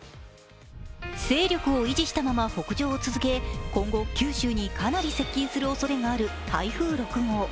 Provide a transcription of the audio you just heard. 勢力を維持したまま北上を続け、今度、九州にかなり接近するおそれがある台風６号。